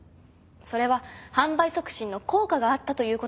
それは販売促進の効果があったということです。